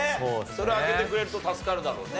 それ当ててくれると助かるだろうね。